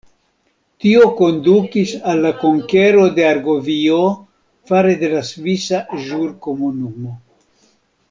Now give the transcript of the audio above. Tio kondukis al la konkero de Argovio fare de la Svisa Ĵurkomunumo.